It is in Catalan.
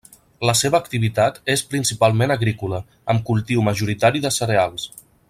La seva activitat és principalment agrícola, amb cultiu majoritari de cereals.